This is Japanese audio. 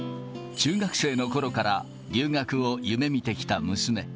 中学生のころから留学を夢みてきた娘。